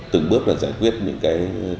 từng bước đã giải quyết những cây cầu